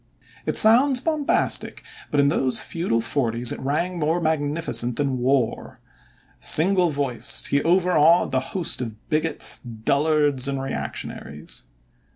It sounds bombastic, but in those feudal forties it rang more magnificent than war. Single voiced he overawed the host of bigots, dullards, and reactionaries.